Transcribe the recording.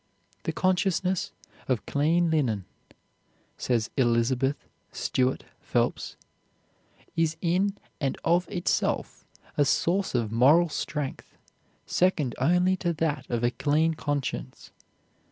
"The consciousness of clean linen," says Elizabeth Stuart Phelps, "is in and of itself a source of moral strength, second only to that of a clean conscience.